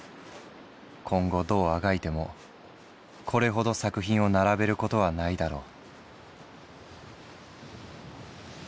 今後どうあがいてもこれほど作品を並べることはないだろう」。